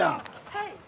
はい。